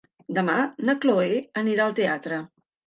Demà na Cloè anirà al teatre.